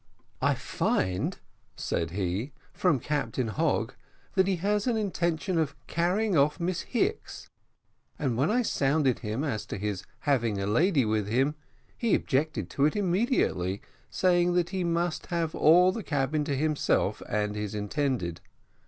"I find," said he, "from Captain Hogg, that he has an intention of carrying off Miss Hicks, and when I sounded him as to his having a lady with him, he objected to it immediately, saying, that he must have all the cabin to himself and his intended.